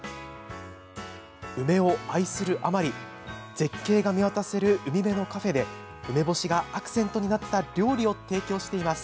梅を愛するあまり絶景が見渡せる海辺のカフェで梅干しがアクセントになった料理を提供しています。